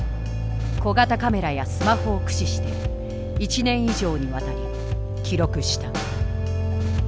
小型カメラやスマホを駆使して１年以上にわたり記録した。